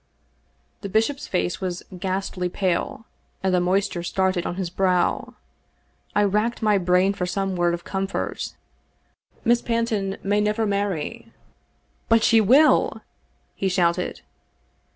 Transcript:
The bishop's face was ghastly pale, and the moisture started on his brow. I racked my brain for some word of comfort. " Miss Panton may never marry." " But she will !" he shouted.